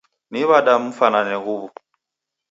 Ni w'ada mfanane huwu?